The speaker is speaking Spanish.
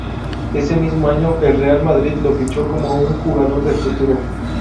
Ese mismo año, el Real Madrid lo fichó como un jugador de futuro.